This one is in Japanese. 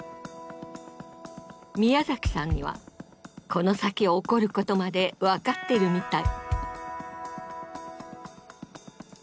宮崎さんにはこの先起こることまで分かってるみたい。